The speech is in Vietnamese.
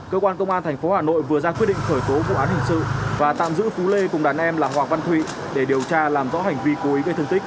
cơ quan công an tp hà nội vừa ra quyết định khởi tố vụ án hình sự và tạm giữ phú lê cùng đàn em là hoàng văn thụy để điều tra làm rõ hành vi cố ý gây thương tích